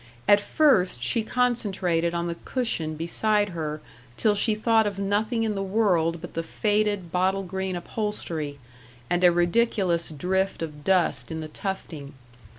At first she concentrated on the cushion beside her till she thought of nothing in the world but the faded bottle green upholstery, and a ridiculous drift of dust in the tufting.